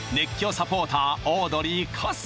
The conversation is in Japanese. サポーターオードリー春日